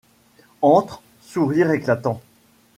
Entre, sourire éclatant ;